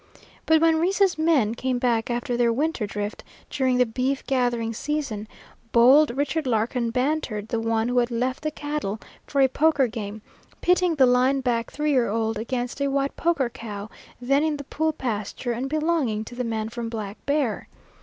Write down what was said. But when Reece's men came back after their winter drift during the beef gathering season, Bold Richard Larkin bantered the one who had left the cattle for a poker game, pitting the line back three year old against a white poker cow then in the Pool pasture and belonging to the man from Black Bear.